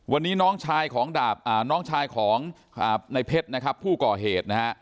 วันนี้น้องชายของในเพชรนะครับผู้ก่อเหตุนะฮะ